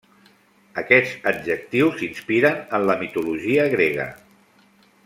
Aquests adjectius s'inspiren en la mitologia grega: